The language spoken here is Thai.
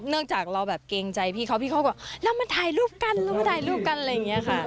จากเราแบบเกรงใจพี่เขาพี่เขาก็เรามาถ่ายรูปกันเรามาถ่ายรูปกันอะไรอย่างนี้ค่ะ